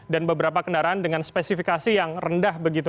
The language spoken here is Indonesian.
dan beberapa kendaraan dengan spesifikasi yang rendah begitu